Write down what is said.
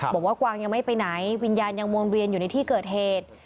กวางยังไม่ไปไหนวิญญาณยังวนเวียนอยู่ในที่เกิดเหตุ